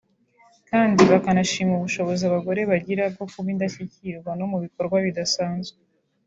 kandi bakanashima ubushobozi abagore bagira bwo kuba indashyikirwa no mu bikorwa bidasanzwe